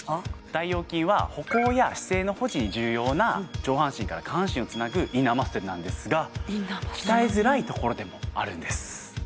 大腰筋は歩行や姿勢の保持に重要な上半身から下半身をつなぐインナーマッスルなんですが鍛えづらいところでもあるんです